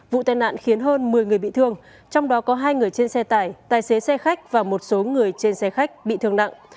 vụ tai nạn khiến hơn một mươi người bị thương trong đó có hai người trên xe tải tài xế xe khách và một số người trên xe khách bị thương nặng